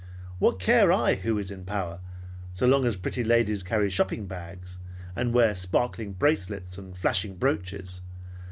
What care I who is in power, so long as pretty ladies carry shopping bags and wear sparkling bracelets and flashing brooches!